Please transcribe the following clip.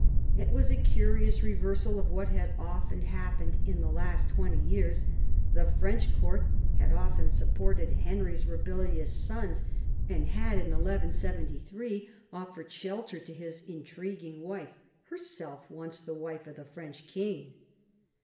It was a curious reversal of what had often happened in the last twenty years. The French court had often supported Henry's rebellious sons, and had in 1173 offered shelter to his intriguing wife, herself once the wife of the French king.